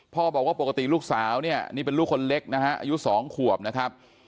บอกว่าปกติลูกสาวเนี่ยนี่เป็นลูกคนเล็กนะฮะอายุ๒ขวบนะครับ